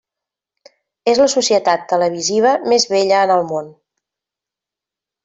És la societat televisiva més vella en el món.